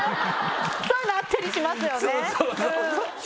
そういうのあったりしますよね。